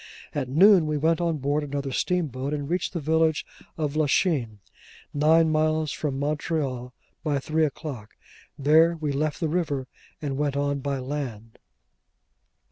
At noon we went on board another steamboat, and reached the village of Lachine, nine miles from Montreal, by three o'clock. There, we left the river, and went on by land.